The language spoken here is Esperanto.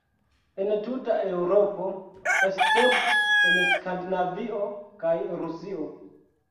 En tuta Eŭropo, escepte en Skandinavio kaj Rusio.